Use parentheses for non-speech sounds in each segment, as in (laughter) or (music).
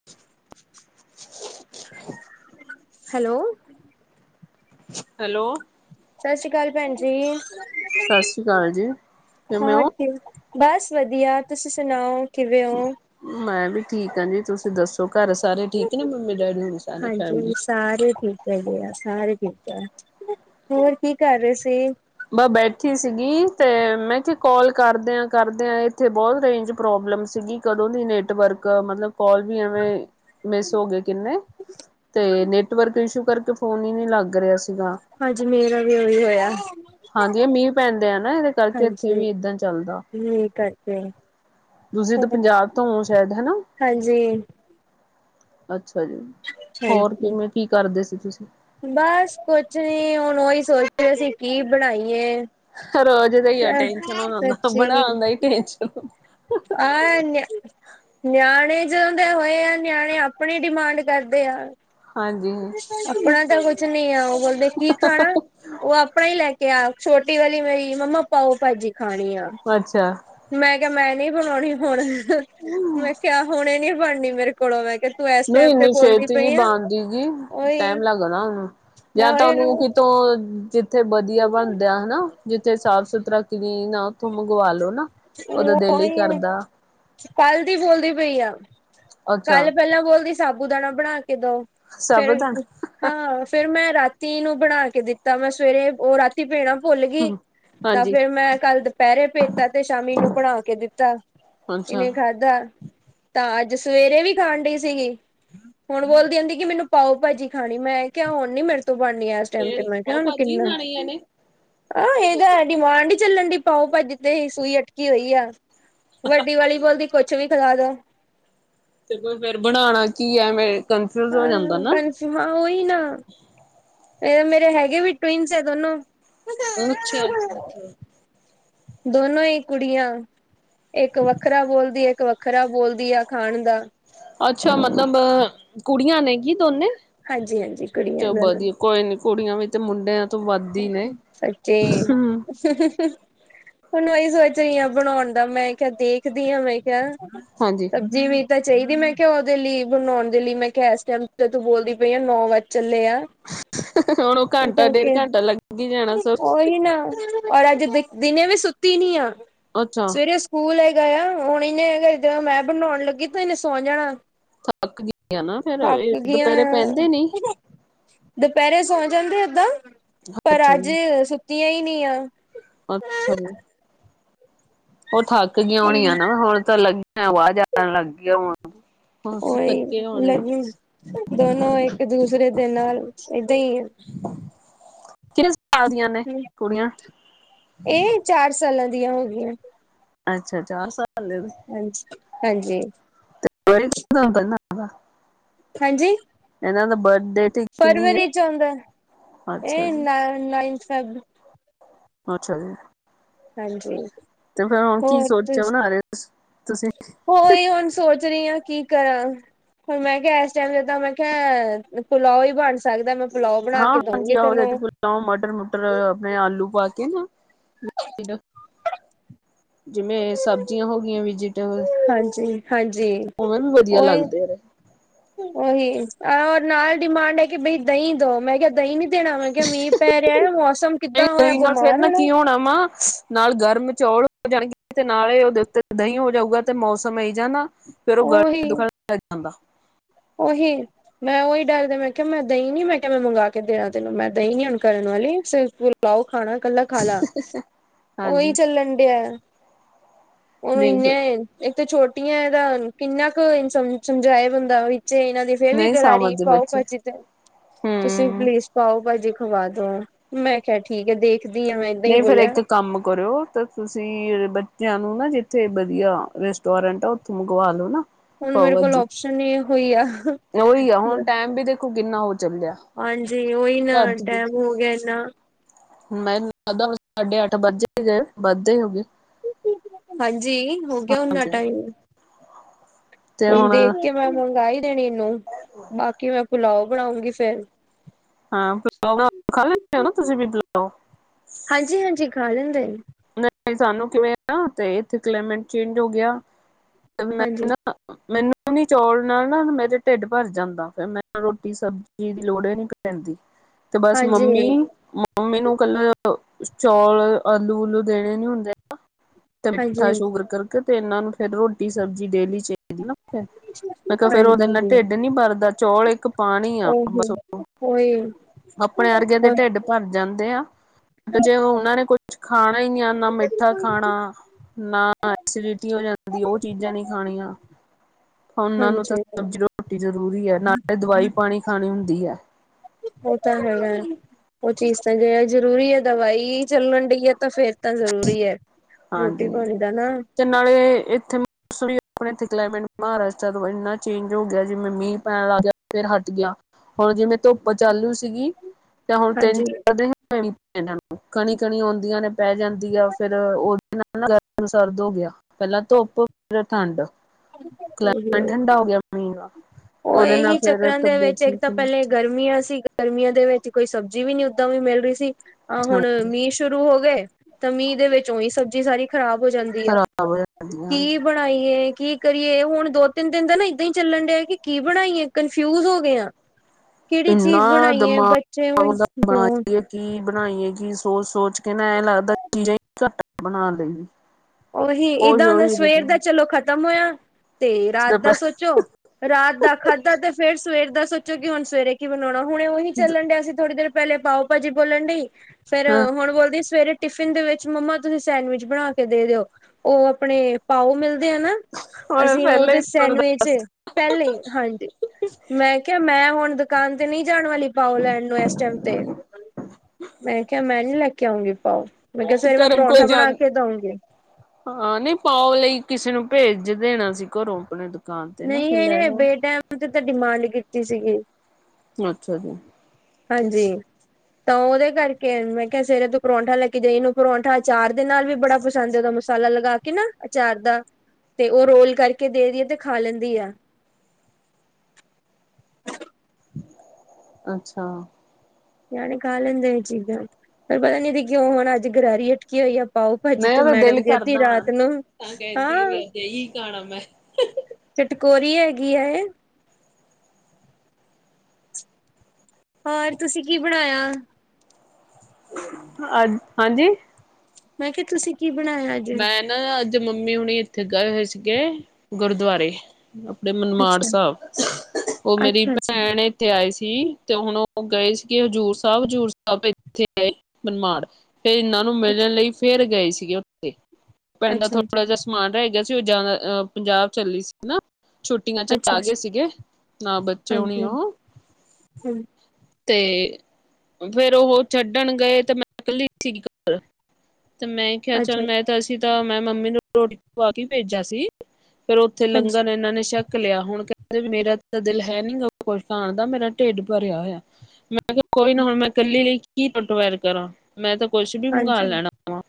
(inaudible) Hello, hello, ਸਤਿ ਸ਼੍ਰੀ ਅਕਾਲ ਭੈਣ ਜੀ, ਸਤਿ ਸ਼੍ਰੀ ਅਕਾਲ ਜੀ ਕਿਵੇਂ ਹੋਰ ਹੋ? ਠੀਕ। ਬਸ ਵਧੀਆ ਤੁਸੀਂ ਸੁਣਾਓ ਕਿਵੇਂ ਹੋ? ਮੈਂ ਵੀ ਠੀਕ ਹਾਂ ਜੀ ਤੁਸੀਂ ਦੱਸੋ ਘਰ ਸਾਰੇ ਠੀਕ ਨਾ ਮੰਮੀ- ਡੈਡੀ ਹੋੁਣ ਸਾਰੇ ਫੈਮਲੀ? ਆ ਰ ਜ ਚ ਆ ਸਾਰੇ ਠੀਕ ਆ। ਹੋਰ ਕੀ ਕਰ ਰਹੇ ਸੀ। ਬ ਬੈਠੀ ਸੀਗੀ, ਤੇ ਮੈਂ ਕਿਹਾ ਕੋਾਲ ਕਰਦਿਆਂ -ਕਰਦਿਆਂ ਇੱਥੇ ਬਹੁਤ ਰੇਂਜ ਪ੍ਰੋਬਲਮ ਸੀਗੀ। ਕਦੋਂ ਦੀ ਨੈਟਵਰਕ, ਮਤਲਬ ਕਾਲ ਵੀ ਐਵੇਂ ਮਿਸ ਹੋ ਗਏ ਕਿੰਨੇ, ਤੇ ਨੈਟਵਰਕ ਇਸ਼ੂ ਕਰਕੇ ਫੋਨ ਹੀ ਨਹੀਂ ਲੱਗ ਰਿਹਾ ਸੀਗਾ। ਹਾਂਜੀ। ਮੇਰਾ ਵੀ ਉਹੀ ਹੋਇਆ। ਹਾਂਜੀ। ਇਹ ਮੀਂਹ ਪੈਂਦੇ ਆ ਨਾ, ਇਹਦੇ ਕਰਕੇ ਇੱਥੇ ਹਾਂਜੀ, ਵੀ ਇਏਦਾਂ ਚੱਲਦਾ। ਮੀਂਹ ਕਰਕੇ ਤੁੂਸੀਂ ਤਾਂ ਪੰਜਾਬ ਤੋਂ ਸ਼ਾਇਦ, ਹਨਾ। ਹਾਂਜੀ। ਅੱਛਾ ਜੀ। ਹੋਰ, ਹਾਂਜੀ। ਕਿਵੇਂ ਕੀ ਕਰਦੇ ਸੀ ਤੁਸੀਂ? ਬਸ ਕੁਛ ਨੀ ਹੁਣ ਉਹੀ ਸੋਚ ਰ ਅਸੀਂ ਕੀ ਬਣਾਈਏ? ਰੋਜ਼ ਦਾ ਹੀ ਆ ਟੈਨਸ਼ਨ ਹੋਦਾ ਬੜਾ ਸੱਚੀ। ਆਉਂਦਾ ਟ ਆਹ ਨ ਨਿਆਣੇ ਜਦੋਂ ਦੇ ਹੋਏ ਆ, ਨਿਆਣੇ ਆਪਣੀ ਡਿਮਾਂਡ ਕਰਦੇ ਆ। ਹਾਂਜੀ ਆਪਣਾ ਤਾਂ ਕੁਛ ਨਹੀਂ ਆ ਉਹ ਬੋਲਦੇ ਕੀ ਖਾਣਾ ਉਹ ਆਪਣਾ ਹੀ ਲੈ ਕੇ ਆ, ਛੋਟੀ ਵਾਲੀ ਮੇਰੀ ਮੰਮਾ ਆਪਾਂ ਉਹ ਪਾਵ ਭਾਜੀ ਖਾਣੀ ਆ ਅੱਛਾ। ਮੈਂ ਕਿਹਾ ਮੈਂ ਨੀ ਬਣਾਉਣੀ ਹੁਣ, ਮੈਂ ਕਿਹਾ ਹੁਣ ਇਹ ਨੀ ਬਣਨੀ ਮੇਰੇ ਕੋਲੋਂ ਮੈਂ ਕਿਹਾ ਤੂੰ ਇਸ ਨਹੀਂ ਟਾਈਮ ਤੇ ਇੰਨਨੀ ਬੋਲਦੀ ਛੇਤੀ ਨਹੀਂ ਪਈ ਆ ਬਣਦੀ ਗ ਉਹੀ ਟਾਈਮ ਲੱਗਦਾ ਉਹਨੂੰ ਮੈਂ ਜਾਂ ਤੁਹਾਨੂੰ ਉਹਨੂੰ ਕਿਤੋਂ ਜਿੱਥੇ ਵਧੀਆ ਬਣਦਾ ਹਨਾ ਜਿੱਥੇ ਸਾਫ ਸੁਥਰਾ ਕਲੀਨ ਆ ਉੱਥੋਂ ਮੰਗਵਾ ਲ ਲੋ ਨਾ ਉਹਦਾ ਦਿਲ ਉਹ ਹੀ ਈ। ਕਰਦਾ ਕੱਲ ਦੀ ਬੋਲਦੀ ਪਈ ਆ, ਅੱਛਾ ਕੱਲ ਪਹਿਲਾਂ ਬੋਲਦੀ। ਸਾਬੂ ਦਾਣਾ ਬਣਾ ਕੇ ਦਓ, ਫੇਰ। ਸਾਬੂਦਾਨਾ ਹਾਂ ਫੇਿਰ ਮੈਂ ਰਾਤੀ ਇਨੂੰ ਬਣਾ ਕੇ ਦਿੱਤਾ, ਮੈਂ ਸਵੇਰੇ ਉਹ ਰਾਤੀ ਤੀ ਪੈਣਾ ਭੁੱਲ ਗਈ ਹਮ ਤਾਂ ਹਾਂਜੀ ਫੇਿਰ ਮੈਂ ਕੱਲ ਦੁਪਹਿਰੇ ਪੇਤਾ ਸ਼ਾਮੀ ਨੂੰ ਬਣਾ ਕੇ ਦਿੱਤਾ ਅੱਛਾ ਇਹਨੇ ਖਾਧਾ ਤਾਂ ਅੱਜ ਸਵੇਰੇ ਵੀ ਖਾਣ ਡਈ ਸੀਗੀ। ਹੁਣ ਬੋਲਦੀ ਦੀ ਕਿ ਮੈਨੂੰ ਪਾਓ ਭਾਜੀ ਖਾਣੀ ਮੈਂ ਕਿਹਾ ਹੁਣ ਨੀ ਮੇਰੇ ਤੋਂ ਬਣਨੀ ਐ। ਟਮ ਤੇ ਫੇਰ ਮੈਂ ਕਿਹਾ ਪਾਓ ਹੁੰਨ, ਭਾਜੀ ਕਿੰਨਾ ਖਾਣੀ ਇਹਨੇ ਆਾਂ ਇਹਦਾ ਡਿਮਾਂਡ ਹੀ ਚੱਲਣ ਡ ਪਾਓ ਭੱਜ ਤੇ ਸੂਈ ਅਟਕੀ ਹੋਈ ਆ। ਵਡੀ ਵਾਲੀ ਬੋਲ ਦੀ ਕੁਛ ਵੀ ਖਿਲਾ ਦੋ। ਤੇ ਕੋਈ ਫੇਿਰ ਬਣਾਣਾ ਕੀ ਹੈ ਮੇ ਹਾਂ ਕ ਹਾਂ ਉਓਹੀ ਨਾ, ਇਹ ਮੇਰੇ ਹੈਗੇ ਵੀ ਟਵਿਨਸ ਹੈ ਦੋਨੋ ਅੱਛਾ ਅੱਛਾ ਅੱਛਾ। ਦੋਨੋ ਹੀ ਕੁੜੀਆਂ, ਇੱਕ ਵੱਖਰਾ ਬੋਲਦੀ ਇੱਕ ਇੱਕ ਵੱਖਰਾ ਬੋਲਦੀ ਆ ਖਾਣ ਦਾ। ਅੱਛਾ ਮਤਲਬ ਕੁੜੀਆਂ ਨੇ ਗੀ ਦੋਨੇ, ਹਾਂਜੀ ਹਾਂਜੀ ਕੁੜੀਆਂ ਚਲੋ ਵਧੀਆ ਦੋਨੋ ਕੋਈ ਨੀ ਕੁੜੀਆਂ ਵੀ ਤੇ ਮੁੰਡਿਆਂ ਤੋਂ ਵੱਧ ਹੀ ਨੇ, ਹਮ ਹੁੰਨ ੳਹੀ ਸੋਚ ਰਹੀ ਹ ਬਣਾਉਣ ਦਾ, ਮੈਂ ਕਿਹਾ ਦੇਖਦੀ ਆ ਮੈਂ ਕਿਹਾ ਹਾਂਜੀ ਸਬਜ਼ੀ ਵੀ ਤਾਂ ਚਾਹੀਦੀ ਮੈਂ ਕਿਹਾ ਉਹਦੇ ਲਈ ਬਣਾਉਣ ਦੇ ਲਈ, ਮੈਂ ਕਿਹਾ ਇਸ ਟਾਈਮ ਤੂੰ ਬੋਲਦੀ ਪਈ ਆ ਨੌ ਵੱਜ ਚੱਲੇ ਆ ਹੁਣ ਉਹ ਘੰਟਾ ਡੇਢ ਕਿਉਂਕਿ ਘੰਟਾ ਲੱਗਾ ਉਹੀ ਨਾ, ਔਰ ਅੱਜ ਦਿਨੇ ਵੀ ਸੁੱਤੀ ਨੀ ਆ ਅੱਛਾ ਸਵੇਰੇ ਸਕੂਲ ਹੈਗਾ ਆ ਹੁਣ, ਇਹਨੇ ਹੈਗਾ ਮੈਂ ਬਣਾਉਣ ਲੱਗੀ ਤੇ ਇਹਨੇ ਸੌ ਜਾਣਾ। ਥੱਕ ਗਈ ਆ ਨਾ ਫੇਰ ਥੱਕ ਗੀ ਆ ਦੁਪਹਿਰੇ ਪੈਂਦੇ ਨੀ? ਦੁਪਹਿਰੇ ਸੌ ਜਾਂਦੇ ਏਦਾਂ, ਪਰ ਅੱਛਾ ਅੱਜ ਜੀ ਸੁੱਤੀਆਂ ਹੀ ਨਹੀਂ ਆ ਅੱਛਾ- ਉਹ ਥੱਕ ਗਈ ਹੋਣੀਆਂ ਨਾ ਹੁਣ ਤਾਂ ਲੱਗੀਆਂ ਆ ਜਾਣ ਲੱਗ ਹੁਣ ਹੁਣ ਉਹੀ ਥੱਕੇ ਹੋਣੇ ਲਗੀ ਦੋਨੋ ਇੱਕ ਦੂਸਰੇ ਦੇ ਨਾਲ ਏਦਾਂ ਹੀ ਹੈ ਕਿਨੇ ਸਾਲ ਦੀਆਂ? ਨੇ ਹਮ, ਕੁੜੀਆਂ? ਇਹ ਚਾਰ ਸਾਲਾਂ ਦੀਆਂ ਹੋ ਗਿਆਂ ਅੱਛਾ ਚਾਰ ਸਾਲ ਦੇ ਹਾਂਜੀ ਹਾਂਜੀ। ਦਾ ਹਾਂਜੀ ਇਹਨਾਂ ਦਾ ਬਰਡੇ ਕਿੰਨੀ ਹੈ? ਫਰਵਰੀ 'ਚ ਆਉਂਦਾ, ਅੱਛਾ ਇਹ ਜੀ। ਨ ਨਨ ਫ ਅੱਛਾ ਜੀ ਹਾਂਜੀ ਤੇ ਫੇਿਰ ਹੁਣ ਕੀ ਹੋਰ ਸੋਚਿਆ ਕਿ ਬਣਾ ਰਹੇ ਤੁਸੀਂ ਉਹੀ ਹੁਣ ਸੋਚ ਰਹੀ ਹਾਂ, ਕੀ ਕਰਾਂ ਹੁਣ ਮੈਂ ਕਿਹਾ ਇਸ ਟਾਈਮ ਜਦੋਂ ਮੈਂ ਕਿਹਾ, ਪੁਲਾਓ ਈ ਬਣ ਸਕਦਾ ਮੈਂ ਪਲਾਓ ਬਣਾ ਕੇ ਦਊਂਗੀ ਤੈਨੂੰ ਲਓ ਮਟਰ ਮੁਟਰ ਆਪਣੇ ਆਲੂ ਪਾ ਕੇ ਨਾ ਜਿਵੇਂ ਸਬਜ਼ੀਆਂ ਹੋ ਗਈਆਂ ਵੈਜੀਟੇਬਲ ਹਾਂਜੀ ਹਾਂਜੀ ਉਵੇਂ ਵੀ ਵਧੀਆ ਉਹ ਇਨ ਲੱਗਦੇ ਨੇ ਉਹੀ ਨਾਲ ਡਿਮਾਂਡ ਹੈ ਕਿ ਬਾਈ ਦਹੀਂ ਦੋ ਮੈਂ ਕਿਹਾ ਦਹੀਂ ਤੇ ਮੀਂਹ ਪੈ ਰਿਹਾ ਮੌਸਮ ਨਹੀਂ ਕਿੱਦਾਂ ਹੋਇਆ ਦਹੀਂ ਨਾਲ ਫੇਰ ਬਿਮਾਰ ਨਾ ਹੋਣਾ। ਕੀ ਹੋਣਾ ਮਾਂ ਨਾਲ ਗਰਮ ਚੌਲ ਹੋ ਜਾਣਗੇ ਤੇ ਨਾਲੇ ਉਹਦੇ ਉੱਤੇ ਦਹੀਂ ਹੋ ਜਾਊਗਾ ਤੇ ਮੌਸਮ ਇਹ ਜਾ ਨਾ ਫਿਰ ਉਹ ਉਹੀ (unintelligible) (unintelligible) ਮੈਂ ਉਹੀ ਡਰਦੇ ਮੈਂ ਕਿਹਾ ਮੈਂ ਦਹੀਂ ਨੀ ਮੈਂ ਕਿਹਾ ਮੈਂ ਮੰਗਵਾ ਕੇ ਦੇਣਾ ਤੈਨੂੰ ਮੈਂ ਦਹੀਂ ਨੀ ਹੁਣ ਕਰਨ ਵਾਲੀ ਲਓ ਖਾਣਾ ਇਕੱਲਾ ਖਾਲਾ ਓਹੀ ਹਾਂਜੀ ਚੱਲਣ ਡਿਆ ਉਹ ਨਹੀਂ ਇੰਨੀਆਂ ਇੱਕ ਤਾਂ ਛੋਟੀਆਂ ਦਾ ਕਿੰਨਾ ਸਮਝਾਏ ਬੰਦਾ ਵਿੱਚ ਇਹਨਾਂ ਦੇ ਐਵੇਂ ਨਹੀਂ ਗਰਾਰੀ ਸਮਝਦੇ ਪਾਓ ਬੱਚੇ ਭਾਜੀ ਤੇ ਤੁਸੀਂ ਹੂੰ ਪਲੀਸ ਪਾਓ ਭਾਜੀ ਖਵਾ ਦੋ ਮੈਂ ਕਿਹਾ ਠੀਕ ਹੈ ਦੇਖ। ਦੀਆਂ ਮੈਂ ਏਦਾਂ ਹੀ ਨਹੀਂ ਫਿਰ ਬੋਲਿਆ ਇੱਕ ਕੰਮ ਕਰਿਓ ਤਾਂ ਤੁਸੀਂ ਬੱਚਿਆਂ ਨੂੰ ਨਾ ਜਿੱਥੇ ਵਧੀਆ ਰੈਸਟੋਰੈਂਟ ਆ ਤੂੰ ਮੰਗਵਾ ਲੋ ਨਾ। ਹੁਣ ਪਾਓ ਮੇਰੇ ਕੋਲ ਭਾਜੀ ਓਪਸ਼ਨ ਹੀ ਕੋਈ ਆ ਉਹੀ ਆ ਹੁਣ ਟਾਈਮ ਵੀ ਦੇਖੋ ਕਿੰਨਾ ਹੋ ਚੱਲਿਆ ਹਾਂਜੀ ਉਹੀ ਨਾ ਟਾਈਮ ਹੋ ਗਿਆ ਇਨਾ ਮੈਨੂੰ ਲੱਗਦਾ ਸਾਡੇ ਅੱਠ ਵੱਜੇ ਗਏ ਵੱਧਦੇ ਹੋ ਗਏ ਹਾਂਜੀ ਹੋ ਗਿਆ ਓਨਾ ਹਾਂਜੀ ਟਾਈਮ ਹੁਣ ਦੇਖ ਕੇ ਮੈਂ ਮੰਗਾਈ ਦੇਣੀ ਇਹਨੂੰ ਬਾਕੀ ਮੈਂ ਪੁੁਲਾਓ ਬਣਾਉਂਗੀ ਫਿਰ ਹਾਂ ਪਿਲਾਓ ਖਾ ਲੈਤੇ ਹੋ ਨਾ ਤੁਸੀਂ ਪਿਲਾਓ ਹਾਂਜੀ ਹਾਂਜੀ ਖਾ ਲੈਂਦੇ ਨੇ ਸਾਨੂੰ ਕਿਵੇਂ ਆ ਤੇ ਇੱਥੇ ਕਲਾਈਮੇਟ ਚੇਂਜ ਹੋ ਗਿਆ। ਮੈਂ ਹਾਂਜੀ ਮੈਨੂੰ ਨੀ ਚੌਲ ਨਾਲ ਨਾ ਮੇਰੇ ਢਿੱਡ ਭਰ ਜਾਂਦਾ ਫਿਰ ਮੈਂ ਰੋਟੀ ਸਬਜ਼ੀ ਚੀਜ਼ ਦੀ ਲੋੜ ਹੀ ਨਹੀਂ ਪੈਂਦੀ ਤੇ ਬਸ ਹਾਂਜੀ ਮੰਮੀ ਮੰਮੀ ਨੂੰ ਕੱਲ ਚੌਲ ਆਲੂ ਉੱਲੂ ਦੇਣੇ ਨੀ ਹੁੰਦੇ ਤੇ ਹਾਂਜੀ ਮਿੱਠਾ ਸ਼ੂਗਰ ਕਰਕੇ ਤੇ ਇਹਨਾਂ ਨੂੰ ਫਿਰ ਰੋਟੀ ਸਬਜ਼ੀ ਦੇਣੀ ਚਾਹੀਦੀ ਨਾ ਫਿਰ। ਹਾਂਜੀ ਮੈਂ ਕਿਹਾ ਫਿਰ ਉਹਦੇ ਨਾਲ ਹਾਂਜੀ ਢਿੱਡ ਨੀ ਭਰਦਾ ਚੌਲ ਇੱਕ ਪਾਣੀ ਆ ਓਏ ਆਪਣੇ ਅਰਗਿਆਂ ਦੇ ਢਿੱਡ ਭਰ ਜਾਂਦੇ ਆ ਜੇ ਉਹਨਾਂ ਨੇ ਕੁਛ ਖਾਣਾ ਹੀ ਨਾ ਆ ਨਾ ਮਿੱਠਾ ਖਾਣਾ, ਨਾ ਐਸੀਡਿਟੀ ਹੋ ਜਾਂਦੀ ਉਹ ਚੀਜ਼ਾਂ ਨਹੀਂ ਖਾਣੀਆਂ। ਉਹਨਾਂ ਨੂੰ ਤਾਂ ਹਾਂਜੀ ਸਬਜ਼ੀ ਰੋਟੀ ਜ਼ਰੂਰੀ ਹੈ ਨਾਲੇ ਦਵਾਈ ਪਾਣੀ ਖਾਣੀ ਹੁੰਦੀ ਹੈ। ਉਹ ਤਾਂ ਹੈਗਾ ਉਹ ਚੀਜ਼ ਤਾਂ ਜੇ ਜ਼ਰੂਰੀ ਹੈ। ਦਵਾਈ ਚੱਲਣ ਡਈ ਹੈ ਤਾਂ ਫਿਰ ਤਾਂ ਜ਼ਰੂਰੀ ਹੈ। ਰੋਟੀ ਹਾਂਜੀ ਪਾਣੀ ਦਾ ਨਾ ਤੇ ਨਾਲੇ ਇੱਥੇ ਮੋਸਲੀ ਆਪਣੇ ਇਥੇ ਕਲਾਈਮੇਟ ਬਣਾ ਰਿਹਾ ਸੀ ਤੋਂ ਇੰਨਾ ਚੇਂਜ ਹੋ ਗਿਆ। ਜਿਵੇਂ ਮੀਂਹ ਪੈਣ ਲੱਗ ਫਿਰ ਹਟ ਗਿਆ। ਹੁਣ ਜਿਵੇਂ, ਧੁੱਪ ਚਾਲੂ ਸੀਗੀ ਤੇ ਹੁਣ ਤਿੰਨ ਚਾਰ ਹਾਂਜੀ ਦਿਨ ਚ, ਭੈਣੀ ਇਹਨਾਂ ਨੂੰ ਕਣੀ- ਕਣੀ ਆਉਂਦੀਆਂ ਨੇ ਪੈ ਜਾਂਦੀ ਆ ਫਿਰ ਉਹਦੇ ਨਾਲ ਗਰਮ ਸਰਦ ਹੋ, ਗਿਆ ਪਹਿਲਾਂ ਧੁੱਪ ਫਿਰ ਠੰਡ ਕਲਾਮੇਟ ਠੰਡਾ ਹੋ ਗਿਆ ਪਾਣੀ ਦਾ ਉਹ ਇਹੀ ਚੱਕਰਾਂ ਦੇ ਵਿੱਚ ਇੱਕ ਤਾਂ ਨਹੀਂ ਪਹਿਲੇ ਗਰਮੀਆਂ ਸੀ। ਗਰਮੀਆਂ ਦੇ ਵਿੱਚ ਕੋਈ ਸਬਜ਼ੀ ਵੀ ਨਹੀਂ ਓਦਾਂ ਵੀ ਮਿਲ ਰਹੀ ਸੀ! ਆਹ ਹੁਣ ਹਾਂਜੀ ਮੀਂਹ ਸ਼ੁਰੂ ਹੋ ਗਏ। ਤਾਂ ਮੀਂਹ ਦੇ ਵਿੱਚੋਂ ਹੀ ਸਬਜ਼ੀ ਸਾਰੀ ਖਰਾਬ ਹੋ ਜਾਂਦੀ। ਖਰਾਬ ਹੋ ਜਾਂਦੀ ਹਾਂਜੀ ਕੀ ਬਣਾਈਏ ਕੀ, ਕਰੀਏ ਹੁਣ ਦੋ ਤਿੰਨ ਦਿਨ ਦਾ ਨਾ ਇਦਾਂ ਹੀ ਚੱਲਣ ਡਿਆ ਕਿ -ਕੀ ਬਣਾਈਏ ਕਨਫਿਊਜ ਹੋ ਗਏ ਆ। ਕੇੜੀ ਚੀਜ਼ ਇੰਨਾ ਬਣਾਈਏ ਬੱਚੇ ਦਿਮਾਗ ਨੂੰ ਦਾ ਬ ਬਣਾਈਏ ਕੀ ਬਣਾਈਏ ਕੀ ਸੋਚ-ਸੋਚ ਕੇ ਐ ਲੱਗਦਾ ਚੀਜ਼ਾਂ ਘੱਟ ਬਣਾ ਲਈਏ ਓਹੀ ਏਦਾਂ ਹੁੰਦਾ ਸਵੇਰ ਦਾ ਚਲੋ ਖਤਮ ਹੋਇਆ ਤੇ ਰਾਤ ਦਾ ਸੋਚੋ। ਰਾਤ ਦਾ ਖਾਧਾ ਤੇ ਫੇਰ ਸਵੇਰ ਦਾ ਸੋਚੋ ਕਿ ਹੁਣ ਸਵੇਰੇ ਕੀ ਬਣਾਉਣਾ। ਹੁਣ ਉਹੀ ਚੱਲਣ ਡਿਆ ਆ ਸੀ। ਅਸੀਂ ਥੋੜ੍ਹੀ ਦੇਰ ਪਹਿਲੇ ਪਾਓ ਭਾਜੀ ਬੋਲਣ ਡਈ ਫੇਰ ਹੁਣ ਬੋਲਦੀ ਸਵੇਰੇ ਟਿਫਿਨ ਦੇ ਵਿੱਚ ਮੰਮਾ ਤੁਸੀਂ ਸੈਂਡਵਿਚ ਬਣਾ ਕੇ ਦੇ ਦਿਓ, ਉਹ ਆਪਣੇ ਪਾਓ ਮਿਲਦੇ ਆ ਨਾ। ਅਸੀਂ ਪਹਿਲਾਂ ਉਹਦੇ ਹੀ ਤੁਹਾਨੂੰ ਸੈਂਡਵਿਚ ਦੱਸ ਪਹਿਲੇ ਹਾਂਜੀ ਮੈਂ ਕਿਹਾ ਮੈਂ ਹੁਣ ਦੁਕਾਨ ਤੇ ਨਹੀਂ ਜਾਣ ਵਾਲੀ ਪਾਓ ਲੈਣ ਨੂੰ ਐਸ ਟਾਈਮ ਤੇ ਮੈਂ ਕਿਹਾ ਮੈਂ ਨੀ ਲੈ ਕੇ ਆਉਂਗੀ ਪਾਓ, ਮੈਂ ਕਿਹਾ ਸਵੇਰੇ ਮੈਂ ਧਰਮ ਪਰੌਂਠਾ ਕੋਈ ਬਣਾ ਜਾਣ ਕੇ ਦਊਂਗੀ। ਹਾਂ ਨਈ ਪਾਓ ਲਈ ਕਿਸੇ ਨੂੰ ਭੇਜ ਦੇਣਾ ਸੀ। ਘਰੋਂ ਆਪਣੇ ਦੁਕਾਨ ਤੇ ਨਾ ਨਹੀਂ ਫਿਰ ਏ ਲੈ ਨੇ ਜਾਣ ਬੇ ਟਾਈਮ ਤੇ ਤਾਂ ਡਿਮਾਂਡ ਕੀਤੀ ਸੀਗੀ। ਅੱਛਾ ਜੀ। ਹਾਂਜੀ, ਤਾਂ ਉਹਦੇ ਕਰਕੇ ਮੈਂ ਕਿਆ ਸਵੇਰੇ ਤੂੰ ਪਰੌਂਠਾ ਲੈ ਕੇ ਜਾਈ। ਇਹਨੂੰ ਪਰੌਂਠਾ ਚਾਰ ਦੇ ਨਾਲ ਵੀ ਬੜਾ ਪਸੰਦ ਹੈ। ਉਹਦਾ ਮਸਾਲਾ ਲਗਾ ਕੇ ਨਾ ਅਚਾਰ ਦਾ ਤੇ ਉਹ ਰੋਲ ਕਰਕੇ ਦੇ ਦੀਆ ਤੇ ਖਾ ਲੈਂਦੀ ਆ। ਅੱਛਾ। ਨਿਆਣੇ ਖਾ ਲੈਂਦੇ ਨੇ ਚੀਜ਼ਾਂ ਤੇ ਪਤਾ ਨੀ ਕਿਉਂ ਹੋਣ ਅੱਜ ਗਰਰੀ ਹ ਕੀਆ ਪਾਓ ਭਾਜੀ ਨਹੀਂ ਤੇ ਉਹਦਾ ਦਿਲ ਮੈਡਮ ਦੀ ਅੱਧੀ ਕਰਦਾ ਹੋਣਾ ਰਾਤ ਨਾ ਨੂੰ ਤਾਂ ਕਹਿੰਦੀ ਹਾਂ। ਵੀ ਅੱਜ ਇਹੀ ਖਾਣਾ ਮੈਂ ਚਟਕੋਰੀ ਹੈਗੀ ਆ ਏ ਹੋਰ ਤੁਸੀਂ ਕੀ ਬਣਾਇਆਂ? ਅੱਜ ਹਾਂਜੀ। ਮੈਂ ਕਿਆ ਤੁਸੀਂ ਕੀ ਬਣਾਇਆ? ਅੱਜ ਮੈਂ ਨਾ ਅੱਜ ਮੰਮੀ ਹੁਣੀ ਇੱਥੇ ਗਏ ਹੋਏ ਸੀਗੇ ਗੁਰਦੁਆਰੇ ਆਪਣੇ ਮਨਮਾਡ ਅੱਛਾ ਸਾਹਬ ਉਹ ਮੇਰੀ ਅੱਛਾ ਅੱਛਾ ਭੈਣ ਏ। ਏਥੇ ਆਏ ਸੀਤੇ ਹੁਣ ਉਹ ਗਏ ਸੀਗੇ, ਹਜ਼ੂਰ ਸਾਹਿਬ ਹਜ਼ੂਰ ਸਾਹਿਬ ਏਥੇ ਆਏ ਮਨਮਾੜ ਫ ਇੰਨਾ ਮਿਲਣ ਅੱਛਾ ਲਈ ਫੇਰ ਗਏ ਸੀਗੇ, ਉੱਥੇ ਪੈਂਦਾ ਅੱਛਾ ਥੋੜਾ ਜਿਹਾ ਅੱਛਾ ਸਮਾਨ ਰਹਿ ਗਿਆ। ਉਹ ਜ਼ਿਆਦਾ ਅਹ ਪੰਜਾਬ ਚੱਲੀ ਸੀ। ਹੈ ਨਾ ਛੁੱਟੀਆਂ ਚ ਆ ਗਏ ਅੱਛਾ ਸੀਗੇ ਨਾ ਬੱਚੇ ਹੋਣੀ ਉਹ ਹੂੰ। ਤੇ ਫੇਰ ਉਹ ਛੱਡਣ ਗਏ ਤੇ ਮੈਂ ਕੱਲੀ ਸੀਗੀ ਘਰ ਤੇ ਮੈਂ ਕਿਹਾ ਚਲ ਅੱਛਾ ਮੈਂ ਤਾਂ ਅਸੀਂ ਤਾਂ ਮੈਂ ਮੰਮੀ ਨੂੰ ਰੋਟੀ ਖਵਾ ਕੇ ਭੇਜਿਆ ਸੀ। ਫਿਰ ਉੱਥੇ ਹਾਂਜੀ ਲੰਗਰ ਇਹਨਾਂ ਨੇ ਛਕ ਛਕ ਲਿਆ ਹੁਣ ਕਹਿੰਦੇ, ਵੀ ਮੇਰਾ ਤਾਂ ਦਿਲ ਹੈ ਨੀ ਗਾ ਕੁਛ ਖਾਣ ਦਾ ਮੇਰਾ ਢਿੱਡ ਭਰਿਆ ਹੋਇਆ। ਮੈਂ ਕਿਹਾ ਕੋਈ ਨਾ ਹੁਣ ਮੈਂ ਕੱਲੀ ਲਈ ਕੀ ਟੁੱਟ ਵੈਰ ਕਰਾਂ। ਮੈਂ ਤਾਂ ਕੁਛ ਵੀ ਮੰਗਵਾ ਹਾਂਜੀ ਲੈਣਾ ਵਾ,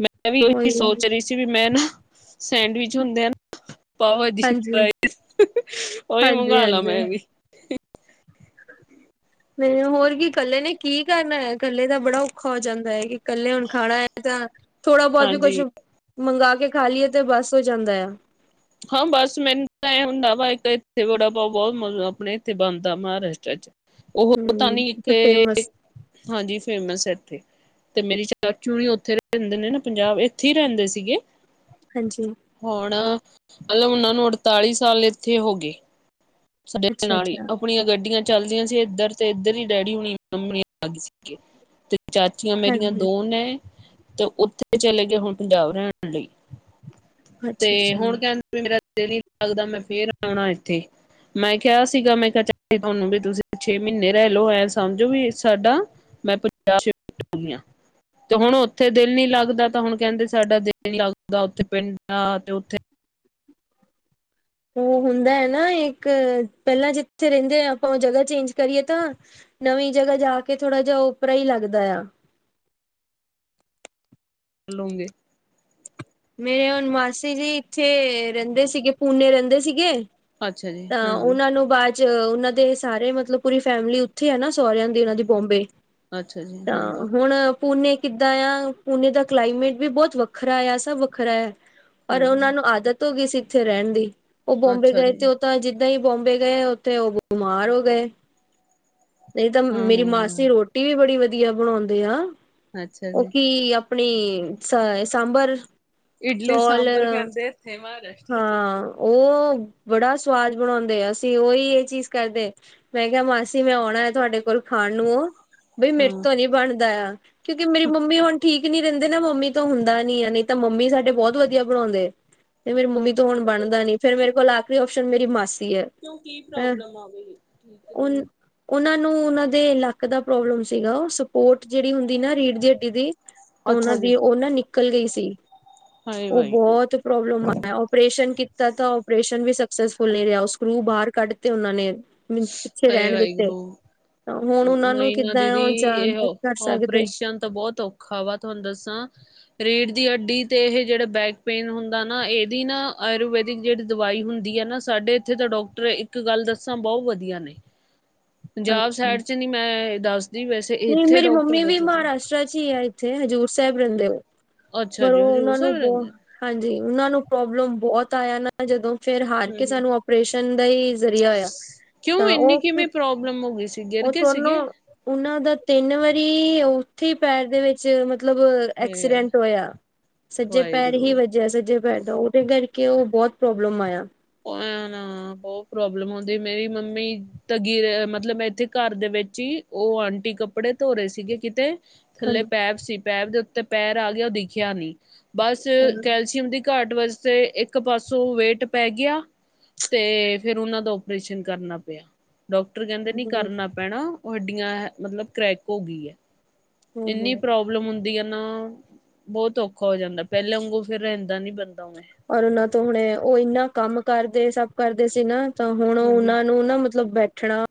ਮੈਂ ਵੀ ਇਹੀ ਉਹੀ ਹੈ। ਸੋਚ ਰਹੀ ਸੀ ਵੀ ਮੈਂ ਨਾ ਸੈਂਡਵਿਚ ਹੁੰਦੇ ਆਨਾ। ਪਾਉ ਬਾਜੀ ਹਾਂਜੀ ਉਈ ਹਾਂਜੀ ਮੰਗਾਂਲਾ ਹਾਂਜੀ ਮੈਂ ਵੀ ਹੋਰ ਕੀ ਇਕੱਲੇ ਨੇ ਕੀ ਕਰਨਾ ਐ। ਕੱਲੇ ਦਾ ਬੜਾ ਔਖਾ ਹੋ ਜਾਂਦਾ ਹੈ ਕਿ ਕੱਲੇ ਹੁਣ ਖਾਣਾ ਐ ਤਾਂ ਥੋੜਾ ਬਹੁਤ ਵੀ ਕੁੱਛ ਹਾਂਜੀ ਮੰਗਾ ਕੇ ਖਾ ਲਈਏ ਤੇ ਬਸ ਹੋ ਜਾਂਦਾ ਐ। ਹਾਂ, ਬਸ ਮੈਨੂੰ ਤਾਂਆਏ ਹੁੰਦਾ ਵਾ ਇੱਕ ਇੱਥੇ ਵੜਾ ਪਾਓ ਬਹੁਤ ਮਿਲਦਾ। ਆਪਣੇ ਇੱਥੇ ਬਣਦਾ ਮਹਾਰਾਸ਼ਟਰ ਚ ਉਹ ਤਾਂ ਹਮ ਨੀ ਇੱਕ ਫੇਮਸ ਹਾਂਜੀ ਫੇਮਸ ਹੈ। ਇੱਥੇ ਤੇ ਮੇਰੀ ਚਾਚੂ ਹੁਨੀ ਉੱਥੇ ਰਹਿੰਦੇ ਨੇ ਨਾ ਪੰਜਾਬ ਇੱਥੇ ਹੀ ਰਹਿੰਦੇ ਸੀਗੇ ਹਾਂਜੀ। ਹੁਣ ਮਤਲਬ ਉਹਨਾਂ ਨੂੰ ਅੜਤਾਲੀ ਸਾਲ ਏਥੇ ਹੋਗੇ। ਸਾਡੇ ਦੇ ਅੱਛਾ ਨਾਲ ਹੀ ਅੱਛਾ ਆਪਣੀਆਂ ਗੱਡੀਆਂ ਚੱਲਦੀਆਂ ਸੀ। ਏਧਰ ਤੇ ਏਧਰ ਈ ਡੈਡੀ ਹੁਣੀ ਤੇ ਮੰਮੀ ਆਗੀ ਸੀਗੀ ਤੇ ਚਾਚ ਮੇਰੀਆਂ ਹਾਂਜੀ ਦੋ ਨੇ ਤੇ ਉੱਥੇ ਚਲੇ ਗਏ ਹੁਣ ਪੰਜਾਬ ਰਹਿਣ ਅੱਛਾ ਤੇ, ਹੁਣ ਅੱਛਾ ਕਹਿੰਦੇ ਮੇਰਾ ਦਿਲ ਹੀ ਨੀ ਲੱਗਦਾ, ਮੈਂ ਫੇਿਰ ਆਉਣਾ ਇੱਥੇ ਮੈਂ ਕਿਹਾ ਸੀਗਾ ਮੈਂ ਕਿਹਾ ਤੁਹਾਨੂੰ ਵੀ ਤੁਸੀਂ ਛੇ ਮਹੀਨੇ ਰਹਿ ਲਓ ਐ ਸਮਝੋ ਵੀ ਸਾਡਾ ਮੈਂ ਪੰਜਾਹ (inaudible) ਤੇ ਹੁਣ ਉੱਥੇ ਦਿਲ ਨੀ ਲੱਗਦਾ ਤਾਂ, ਹੁਣ ਕਹਿੰਦੇ ਸਾਡਾ ਦਿਲ ਨ ਲੱਗਦਾ ਉੱਥੇ ਪਿੰਡ ਦਾ ਤੇ ਉੱਥੇ ਉਹ ਹੁੰਦਾ ਹੈ ਨਾ ਇੱਕ, ਪਹਿਲਾਂ ਜਿੱਥੇ ਰਹਿੰਦੇ ਆ ਆਪਾਂ ਉਹ ਜਗ੍ਹਾ ਚੇਂਜ ਕਰੀਏ ਤਾਂ ਨਵੀਂ ਜਗ੍ਹਾ ਜਾ ਕੇ ਥੋੜਾ ਜਿਹਾ ਉਓਪਰਾ ਹੀ ਲੱਗਦਾ ਆ। ਪੁੰਨੇ ਮੇਰੇ ਹੁਣ ਮਾਸੀ ਜੀ ਇੱਥੇ ਰਹਿੰਦੇ ਸੀਗੇ, ਪੂਨੇ ਰਹਿੰਦੇ ਸੀਗੇ ਅੱਛਾ ਜੀ ਤਾਂ, ਹਾਂਜੀ। ਉਹਨਾਂ ਨੂੰ ਬਾਅਦ ਉਹ ਦੇ ਸਾਰੇ ਮਤਲਬ ਪੂਰੀ ਫੈਮਿਲੀ ਉੱਥੇ ਆ ਨਾ ਸਹੁਰਿਆਂ ਦੀ ਉਹਨਾਂ ਦੀ ਬੋਂਬੇ ਅੱਛਾ ਜੀ, ਤਾਂ ਹਾਂਜੀ, ਹੁਣ ਪੂਨੇ ਕਿੱਦਾਂ ਆ ਪੂਨੇ ਦਾ ਕਲਾਈਮੇਟ ਵੀ ਬਹੁਤ ਵੱਖਰਾ ਆ, ਸਭ ਵੱਖਰਾ ਆ, ਪਰ ਉਹਨਾਂ ਹਾਂਜੀ, ਨੂੰ ਆਦਤ ਹੋ ਗਈ ਸੀ ਇੱਥੇ ਰਹਿਣ ਦੀ, ਉਹ ਬੋਂਬੇ ਅੱਛਾ ਗਏ ਜੀ। ਤੇ ਉਹ ਤਾਂ, ਅੱਜ ਜਿਦਾਂ ਹੀ ਬੋਂਬੇ ਗਏ ਉੱਥੇ ਉਹ ਬਿਮਾਰ ਹੋ ਗਏ, ਨਹੀਂ ਤਾਂ ਮੇਰੀ ਮਾਸੀ ਹੂੰ। ਰੋਟ ਟੀ ਵੀ ਬੜੀ ਵਧੀਆ ਬਣਾਉਂਦੇ ਆ ਅੱਛਾ ਉਹ ਜੀ। ਕੀ ਆਪਣੀ ਸਾਂਬਰ, ਇਡਲੀ ਸਾਂਬਰ ਚੌਲ ਖਾਂਦੇ ਇਥੇ ਮਹਾਰਾਸ਼ਟਰ ਚ, ਹਾਂ ਉਹ ਬੜਾ ਸਵਾਦ ਬਣਾਉਂਦੇ ਆ, ਅਸੀਂ ਉਹੀ ਇਹ ਚੀਜ਼ ਕਰਦੇ, ਮੈਂ ਕਿਹਾ ਮਾਸੀ ਮੈਂ ਆਉਣਾ ਹੈ, ਤੁਹਾਡੇ ਕੋਲ ਖਾਣ ਨੂੰ ਉਹ ਬਈ ਮੇਰੇ ਹਾਂ। ਤੋਂ ਨੀ ਬਣਦਾ ਆ, ਕਿਉਂਕਿ ਮੇਰੀ ਮੰਮੀ ਹੁਣ ਠੀਕ ਨੀ ਰਹਿੰਦੇ ਨਾ ਮੰਮੀ ਤੋਂ ਹੁੰਦਾ ਨੀ ਆ ਨਹੀਂ ਤਾਂ, ਮੰਮੀ ਸਾਡੇ ਬਹੁਤ ਵਧੀਆ ਬਣਾੳਦੇਂ ਤੇ, ਮੇਰੀ ਮੰਮੀ ਹੁਣ ਅੱਛਾ ਬਣਦਾ ਤੁਹਾਡੇ ਨੀ, ਫਿਰ ਮੇਰੇ ਕੋਲ ਆਖਰੀ ਓਪਸ਼ਨ ਮੇਰੀ ਮਾਸੀ ਹੈ। ਕਿਉਂ ਕੀ ਹੈਂ ਪ੍ਰੋਬਲਮ ਆ ਗਈ‌। ਉਹ ਉਹਨਾਂ ਨੂੰ ਉਹਨਾਂ ਦੇ ਲੱਕ ਦਾ ਪ੍ਰੋਬਲਮ ਸੀਗਾ, ਉਹ ਸਪੋਰਟ ਜਿਹੜੀ ਹੁੰਦੀ ਨਾ ਰੀੜ ਦੀ ਹੱਡੀ ਦੀ। ਤਾਂ ਉਹਨਾਂ ਅੱਛਾ ਜੀ, ਦੀ ਉਹ ਨਾ ਨਿਕਲ ਗਈ ਸੀ, ਹਾਏ ਉਹ ਵਾਹਿਗੁਰੂ, ਬਹੁਤ ਪ੍ਰੋਬਲਮ ਆਇ ਓਪਰੇਸ਼ਨ ਕੀਤਾ ਤਾਂ, ਓਪਰੇਸ਼ਨ ਵੀ ਸਕਸੈਸਫੁਲ ਨਹੀਂ ਰਿਹਾ, ਸਕਲੋ ਬਾਹਰ ਕੱਢ ਤੇ ਉਹਨਾਂ ਨੇ ਮਨੂ ਪਿੱਛੇ ਹਾਏ ਰਹਿਣ ਦਿੱਤੇ। ਵਾਹਿਗੁਰੂ। ਹੁਣ' ਉਹਨਾਂ ਨੂੰ ਨਹੀਂ ਨਾ ਕਿੱਦਾਂ ਦੀਦੀ ਉਹ ਜਾਣ ਇਹ ਕਰ ਸਕਦੇ। ਓਪਰੇਸ਼ਨ ਤਾਂ ਤੁਹਾਨੂੰ ਦੱਸਾਂ, ਰੀੜ੍ਹ ਦੀ ਅੱਡੀ ਤੇ ਇਹ ਜਿਹੜਾ ਬੈਕ ਪੇਨ ਹੁੰਦਾ ਨਾ, ਇਹਦੀ ਨਾ ਆਯੁਰਵੇੈਦਿਕ ਜਿਹੜੀ ਦਵਾਈ ਹੁੰਦੀ ਹੈ ਨਾ ਸਾਡੇ ਇੱਥੇ ਤਾਂ ਡਾਕਟਰ, ਇੱਕ ਗੱਲ ਦੱਸਾਂ ਬਹੁਤ ਵਧੀਆ ਨੇ ਪੰਜਾਬ ਹਾਂਜੀ ਸਾਈਡ 'ਚ ਨੀ ਮੈਂ ਦੱਸ ਨਹੀਂ ਮੇਰੀ ਮੰਮੀ ਵੀ ਮਹਾਰਾਸ਼ਟਟਰ 'ਚ ਹੀ ਆ ਇੱਥੇ, ਹਜ਼ੂਰ ਸਾਹਿਬ ਰਹਿੰਦੇ ਹੋ ਅੱਛਾ ਪਰ ਜੀ ਉਹ ਹਜ਼ੂਰ ਉਹਨਾਂ ਸਾਹਿਬ ਨੂੰ ਬਹੁ, ਰਹਿੰਦੇ ਹਾਂਜੀ ਉਹਨਾਂ ਨੂੰ ਪ੍ਰੋਬਲਮ ਬਹੁਤ ਆਇਆ ਨਾ। ਤਾਂ ਜਦੋਂ ਫੇਰ ਹਾਰ ਹੂੰ ਕੇ ਹੂੰ ਸਾਨੂੰ ਆਪਓਰੇਸ਼ਨ ਦਾ ਹੀ ਜ਼ਰੀਆ ਹੋਇਆ। ਕਿਉਂ ਤਾਂ ਇੰਨੀ ਉਹ ਕਿਵੇਂ ਫਿਰ ਪ੍ਰੋਬਲਮ ਹੋ ਗਈ ਸੀ ਗਿਰ ਉਹ ਗਏ ਦੋਨੋਂ ਸੀਗੇ ਉਹਨਾਂ ਦਾ ਤਿੰਨ ਵਾਰੀ ਉੱਥੇ ਪੈਰ ਦੇ ਵਿੱਚ ਮਤਲਬ- ਹੇ ਐਕਸੀਡੈਂਟ ਹੋਇਆ। ਸੱਜੇ ਪੈਰ ਹੀ ਵਾਹਿਗੁਰੂ ਹੁਬ ਸਜੇ ਪੈਰ ਦਾ, ਉਹਦੇ ਕਰਕੇ ਉਹ ਬਹੁਤ ਪ੍ਰੋਬਲਮ ਆਇਆ (unintelligible) ਬਹੁਤ ਪ੍ਰੋਬਲਮ ਹਉਦੀ, ਮੇਰੀ ਮੰਮੀ ਤੇ ਗੀਰੇ ਮਤਲਬ ਮੈਂ ਇੱਥੇ ਘਰ ਦੇ ਵਿੱਚ ਹੀ, ਉਹ ਆਂਟੀ ਕੱਪੜੇ ਧੋ ਰਹੇ ਸੀਗੇ ਕਿਤੇ ਥੱਲੇ ਪੈਪ ਸੀ ਪੈਪ ਦੇ ਉੱਤੇ ਪੈਰ ਆ ਗਿਆ ਉਹ ਦਿਖਿਆ ਨਹੀਂ, ਬਸ ਕੈਲਸ਼ੀਅਮ ਦੀ ਘੱਟ ਵਾਸਤੇ, ਇੱਕ ਪਾਸੋਂ ਵੇਟ ਪੈ ਗਿਆ, ਤੇ ਫੇਰ ਉਹਨਾਂ ਦਾ ਓਪਰੇਸ਼ਨ ਕਰਨਾ ਪਿਆ ਡਾਕਟਰ ਕਹਿੰਦੇ ਨੀ ਕਰਨਾ ਪੈਣਾ ਹੱਡੀਆਂ ਮਤਲਬ ਕਰੈਕ ਹੋ ਗਈ ਹੈ। ਇੰਨੀ ਪ੍ਰੋਬਲ ਮਤਲਬ ਹੁੰਦੀ ਹੈ ਨਾ, ਬਹੁਤ ਔਖਾ ਹੋ ਜਾਂਦਾ। ਪਹਿਲਾਂ ਵਂਗੂ ਫੇਰ ਰਹਿੰਦਾ ਨੀ ਬੰਦਾ ਔਰ ਉਹਨਾਂ ਤੋਂ ਹੁਣੇ, ਉਹ ਇੰਨਾ ਕੰਮ ਕਰਦੇ ਸਭ ਕਰਦੇ ਸੀ ਨਾ। ਤਾਂ ਹੁਣ ਹਾਂਜੀ ਉਹਨਾਂ ਨੂੰ ਨਾ ਮਤਲਬ ਬੈਠਣਾ